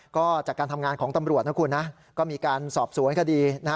ก็จากการทำงานของตำรวจนะคุณนะก็มีการสอบสวนคดี